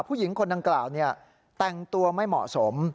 ผู้หญิงคนดังกล่าวแต่งตัวไม่เหมาะสม